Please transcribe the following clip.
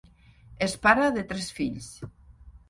És pare de tres fills.